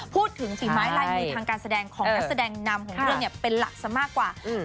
ฝีไม้ลายมือทางการแสดงของนักแสดงนำของเรื่องเนี่ยเป็นหลักซะมากกว่า